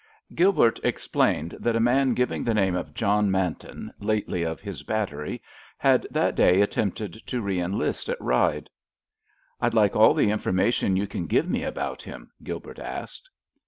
Gilbert explained that a man giving the name of John Manton, lately of his battery, had that day attempted to re enlist at Ryde. "I'd like all the information you can give me about him," Gilbert asked.